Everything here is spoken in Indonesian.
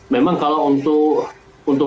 memang kalau untuk